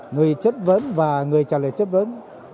người chất vấn và người trả lời chất vấn